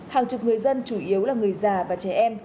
hàng chục người dân chủ yếu là người già và trẻ em